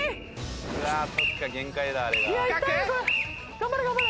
頑張れ頑張れ。